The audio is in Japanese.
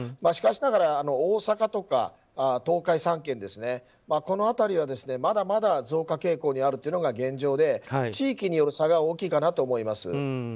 しかしながら、大阪とか東海３県、この辺りはまだまだ増加傾向にあるのが現状で地域による差が大きいかなと思います。